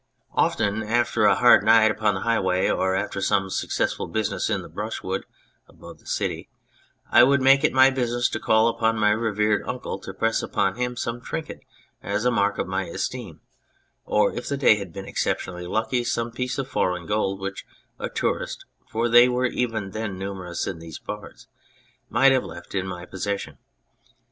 Often after a hard 188 The Brigand of Radicofani night upon the highway, or after some successful business in the brushwood above the city, I would make it my business to call upon my revered uncle to press upon him some trinket as a mark of my esteem, or if the day had been exceptionally lucky, some piece of foreign gold which a tourist (for they were even then numerous in these parts) might have left in my possession.